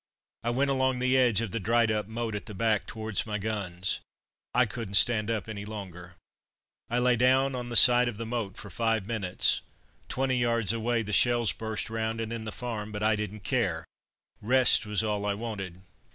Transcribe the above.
I went along the edge of the dried up moat at the back, towards my guns. I couldn't stand up any longer. I lay down on the side of the moat for five minutes. Twenty yards away the shells burst round and in the farm, but I didn't care, rest was all I wanted.